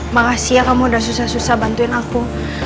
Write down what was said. makasih ya kamu udah susah susah bantuin aku